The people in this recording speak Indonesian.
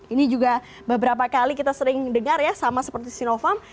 ini juga beberapa kali kita sering dengar ya sama seperti sinovac